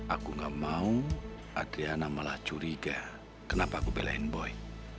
aku gak mau adriana malah curiga kenapa aku belain boy